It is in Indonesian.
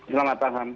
selamat malam pak